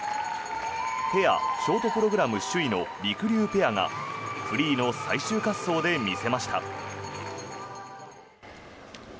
ペアショートプログラム首位のりくりゅうペアがフリーの最終滑走で見せました。